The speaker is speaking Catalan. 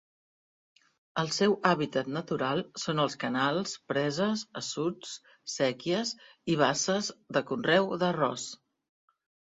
El seu hàbitat natural són els canals, preses, assuts, séquies i basses de conreu d'arròs.